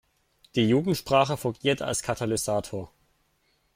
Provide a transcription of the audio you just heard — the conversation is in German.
Die Jugendsprache fungiert als Katalysator.